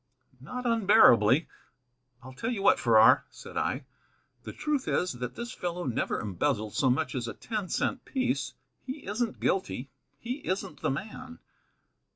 "Not unbearably. I'll tell you what, Farrar," said I, "the truth is, that this fellow never embezzled so much as a ten cent piece. He isn't guilty: he isn't the man."